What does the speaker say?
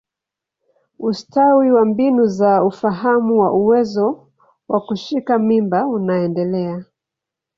Ustawi wa mbinu za ufahamu wa uwezo wa kushika mimba unaendelea.